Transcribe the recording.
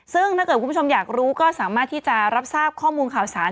ซึ่งถ้าเกิดคุณผู้ชมอยากรู้ก็สามารถที่จะรับทราบข้อมูลข่าวสาร